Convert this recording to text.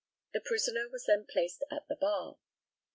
The prisoner was then placed at the bar.